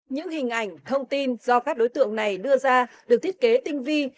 những hình ảnh thông tin do các đối tượng này đưa ra được thiết kế tinh vi